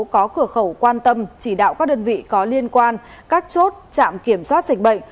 có cửa khẩu quan tâm chỉ đạo các đơn vị có liên quan các chốt trạm kiểm soát dịch bệnh